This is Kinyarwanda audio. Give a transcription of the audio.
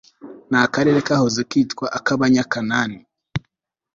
n akarere kahoze kitwa ak abanyakanani